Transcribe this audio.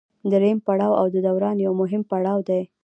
دریم پړاو د دوران یو مهم پړاو دی